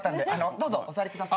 どうぞお座りください。